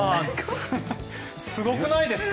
すごくないですか？